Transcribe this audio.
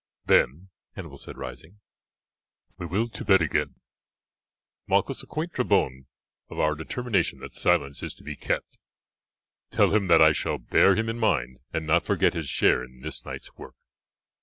"Then," Hannibal said, rising, "we will to bed again. Malchus, acquaint Trebon of our determination that silence is to be kept; tell him that I shall bear him in mind, and not forget his share in this night's work.